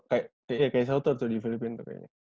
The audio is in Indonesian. kayak kai soto tuh di filipina kayaknya